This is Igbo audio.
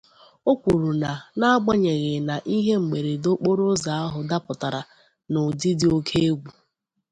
O kwuru na n'agbanyèghị na ihe mberede okporoụzọ ahụ dapụtara n'ụdị dị oké égwù